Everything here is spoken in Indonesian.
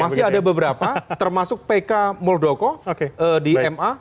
masih ada beberapa termasuk pk muldoko di ma